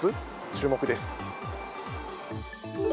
注目です。